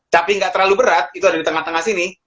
tapi nggak terlalu berat itu ada di tengah tengah sini